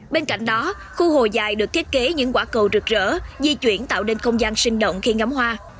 bên cạnh đó khu hồ dài được thiết kế những quả cầu rực rỡ di chuyển tạo nên không gian sinh động khi ngắm hoa